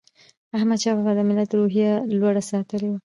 احمدشاه بابا د ملت روحیه لوړه ساتلې وه.